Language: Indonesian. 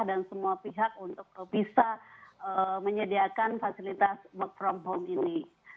dan semua pihak untuk bisa menyediakan fasilitas work from home ini